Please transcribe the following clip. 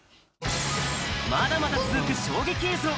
まだまだ続く衝撃映像。